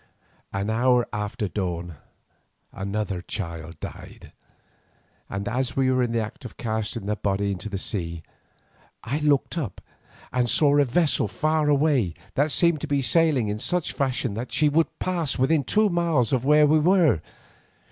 An hour after dawn another child died, and as we were in the act of casting the body into the sea, I looked up and saw a vessel far away, that seemed to be sailing in such fashion that she would pass within two miles of where we were.